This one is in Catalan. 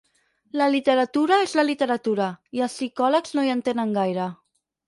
La literatura és la literatura i els psicòlegs no hi entenen gaire.